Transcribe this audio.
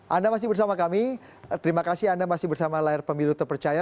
anda masih bersama kami terima kasih anda masih bersama layar pemilu terpercaya